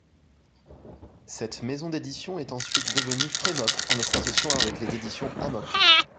Cette maison d’édition est ensuite devenue Frémok en s’associant avec les éditions Amok.